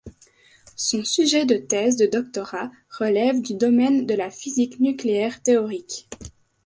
Son sujet de thèse de doctorat relève du domaine de la physique nucléaire théorique.